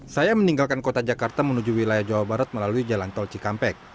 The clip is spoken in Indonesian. saya meninggalkan kota jakarta menuju wilayah jawa barat melalui jalan tol cikampek